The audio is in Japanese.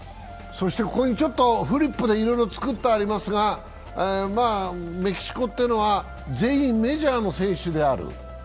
フリップでいろいろ作ってありますが、メキシコというのは全員メジャーの選手である。